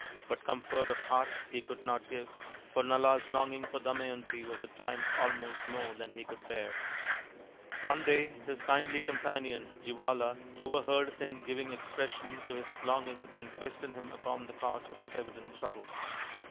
But comfort of heart he could not give, for Nala's longing for Damayanti was at times almost more than he could bear. One day his kindly companion Jivala overheard him giving expression to his longing and questioned him upon the cause of his evident trouble.